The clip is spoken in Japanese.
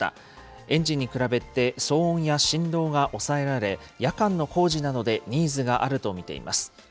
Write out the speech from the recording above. エンジンに比べて騒音や振動が抑えられ、夜間の工事などでニーズがあると見ています。